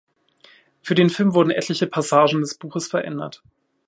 Für den Film wurden etliche Passagen des Buches verändert.